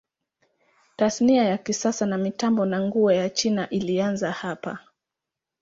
Tasnia ya kisasa ya mitambo na nguo ya China ilianza hapa.